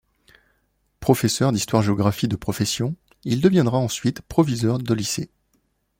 Professeur d'histoire-géographie de profession, il deviendra ensuite proviseur de lycée.